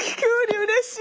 うれしい！